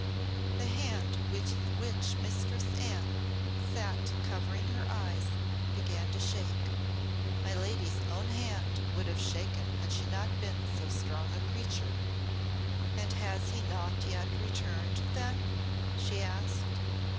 The hand with which Mistress Anne sate covering her eyes began to shake. My lady's own hand would have shaken had she not been so strong a creature. "And he has not yet returned, then?" she asked.